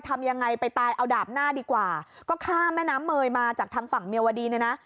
ทำยังไงไปตายเอาดาบหน้าดีกว่าก็ข้ามแม่น้ำเมยมาจากทางฝั่งเมียวดีเนี่ยนะ